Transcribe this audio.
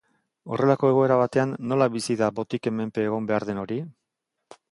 Horrelako egoera batean nola bizi da botiken menpe egon behar hori?